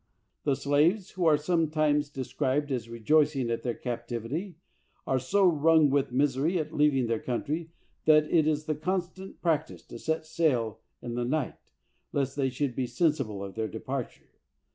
The slaves, who are sometimes described as re joicing at their captivity, are so wrung with misery at leaving their country, that it is the constant practise to set sail in the night, lest they should be sensible of their departure.